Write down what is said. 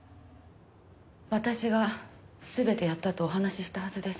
私が全てやったとお話ししたはずです。